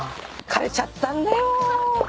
枯れちゃったんだよ。